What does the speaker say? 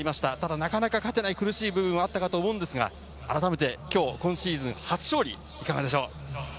なかなか勝てない苦しい部分はあったと思いますが、今日、今シーズン初勝利、いかがですか。